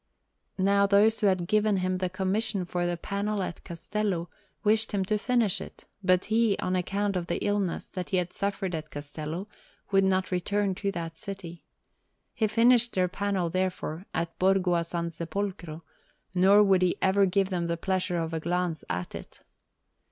Now those who had given him the commission for the panel at Castello, wished him to finish it; but he, on account of the illness that he had suffered at Castello, would not return to that city. He finished their panel, therefore, at Borgo a San Sepolcro; nor would he ever give them the pleasure of a glance at it.